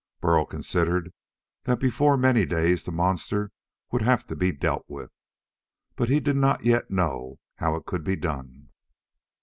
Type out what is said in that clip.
Burl considered that before many days the monster would have to be dealt with. But he did not yet know how it could be done.